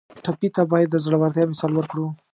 ټپي ته باید د زړورتیا مثال ورکړو.